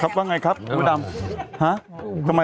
ครับว่าไงครับคุณผู้ดำ